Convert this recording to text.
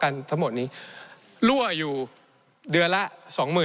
ในช่วงที่สุดในรอบ๑๖ปี